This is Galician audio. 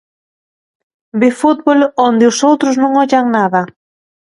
Ve fútbol onde os outros non ollan nada.